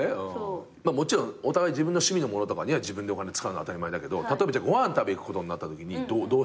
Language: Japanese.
もちろんお互い自分の趣味のものとかに自分でお金使うのは当たり前だけど例えばご飯食べに行くことになったときにどうしてんの？